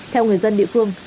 theo người dân địa phương